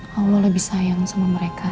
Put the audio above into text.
kalau lo lebih sayang sama mereka